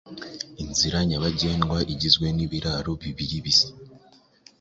Inzira nyabagendwa igizwe n'ibiraro bibiri bisa